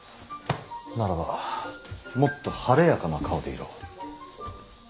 ならばもっと晴れやかな顔でいろ。